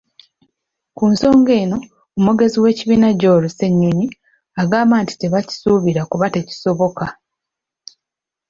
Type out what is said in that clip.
Ku nsonga eno, omwogezi w'ekibiina Joel Ssennyonyi, agamba nti tebakisuubira kuba tekisoboka.